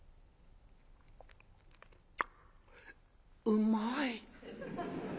「うまい」。